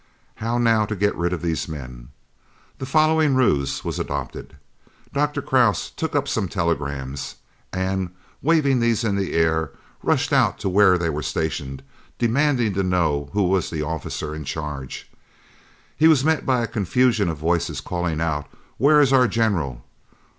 How now to get rid of these men? The following ruse was adopted: Dr. Krause took up some telegrams, and, waving these in the air, rushed out to where they were stationed, demanding to know who the officer in charge was. He was met by a confusion of voices calling out, "Where is our General?"